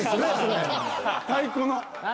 太鼓の。